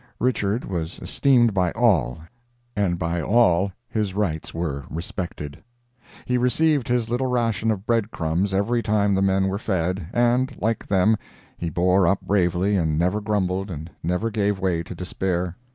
Richard was esteemed by all and by all his rights were respected. He received his little ration of bread crumbs every time the men were fed, and, like them, he bore up bravely and never grumbled and never gave way to despair.